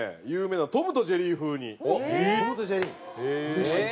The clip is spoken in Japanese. うれしい！